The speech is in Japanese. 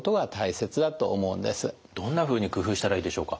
どんなふうに工夫したらいいでしょうか？